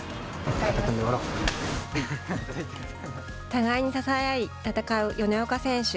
互いに支え合い戦う米岡選手。